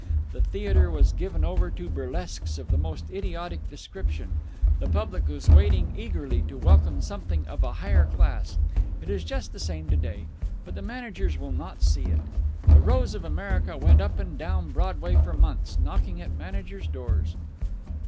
The theatre was given over to burlesques of the most idiotic description. The public was waiting eagerly to welcome something of a higher class. It is just the same to day. But the managers will not see it. 'The Rose of America' went up and down Broadway for months, knocking at managers' doors."